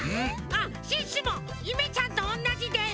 シュッシュもゆめちゃんとおんなじです。